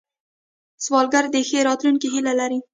سوالګر د ښې راتلونکې هیله لري